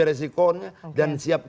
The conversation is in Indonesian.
resikonya dan siap